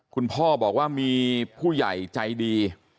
คุณพ่อบอกว่ามีผู้ใหญ่ใจดี